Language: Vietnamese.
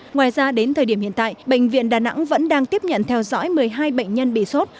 ngoài ra đến thời điểm hiện tại bệnh viện đà nẵng vẫn đang tiếp nhận theo dõi một mươi hai bệnh nhân bị sốt